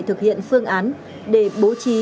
thực hiện phương án để bố trí